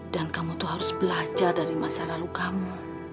dan kamu itu harus belajar dari masa lalu kamu